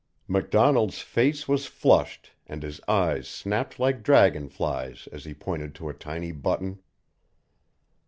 MacDonald's face was flushed and his eyes snapped like dragonflies as he pointed to a tiny button.